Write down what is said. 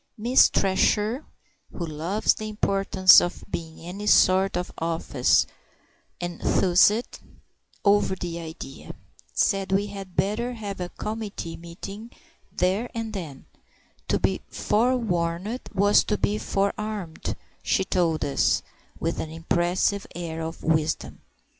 Miss Thresher, who loves the importance of being in any sort of office, enthused over the idea; said we had better have a committee meeting there and then; to be forewarned was to be forearmed, she told us, with an impressive air of wisdom.